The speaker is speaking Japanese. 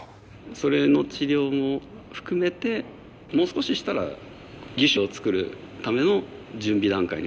それの治療も含めてもう少ししたら義手を作るための準備段階に入れるっていう。